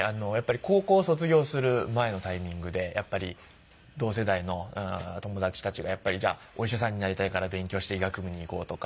高校を卒業する前のタイミングでやっぱり同世代の友達たちがじゃあお医者さんになりたいから勉強して医学部に行こうとか。